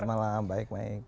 selamat malam baik baik